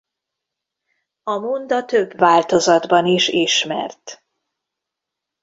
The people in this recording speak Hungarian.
A monda több változatban is ismert.